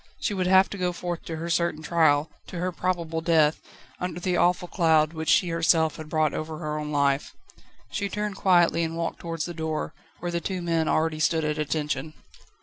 She would have to go forth to her certain trial, to her probable death, under the awful cloud, which she herself had brought over her own life. She turned quietly, and walked towards the door, where the two men already stood at attention.